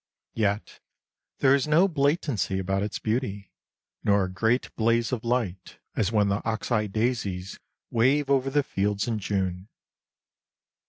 Yet there is no blatancy about its beauty, nor a great blaze of light as when the ox eye daisies wave over the fields in June.